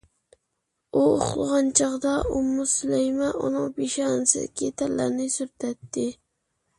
ئۇ ئۇخلىغان چاغدا، ئۇممۇ سۇلەيم ئۇنىڭ پېشانىسىدىكى تەرلەرنى سۈرتەتتى.